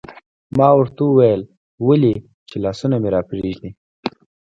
ما ورته وویل: ولې؟ چې لاسونه مې راپرېږدي.